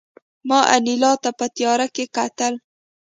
ما انیلا ته په تیاره کې کتل